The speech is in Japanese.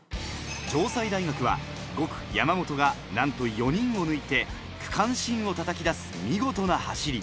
城西大学は５区・山本がなんと４人を抜いて区間新を叩き出す見事な走り。